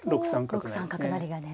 ６三角成が狙い。